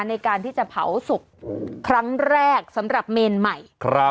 ในการที่จะเผาศพครั้งแรกสำหรับเมนใหม่